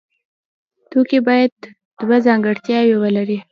توکی باید دوه ځانګړتیاوې ولري.